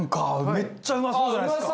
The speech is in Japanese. めっちゃうまそうじゃないですか。